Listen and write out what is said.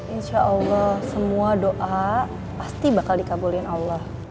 insya allah semua doa pasti bakal dikabulin allah